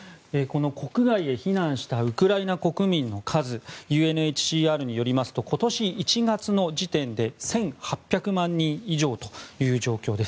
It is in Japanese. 国外へ避難したウクライナ国民の数ＵＮＨＣＲによりますと今年１月の時点で１８００万人以上という状況です。